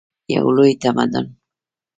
یو لوی تمدن.